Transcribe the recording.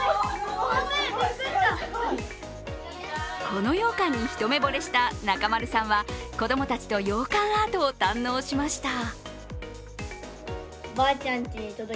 この羊羹に一目ぼれした中丸さんは子供たちと羊羹アートを堪能しました。